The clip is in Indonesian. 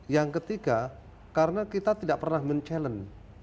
yang ketiga karena kita tidak pernah men challenge